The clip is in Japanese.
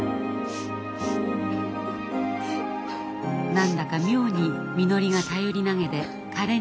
何だか妙にみのりが頼りなげでかれんに見えました。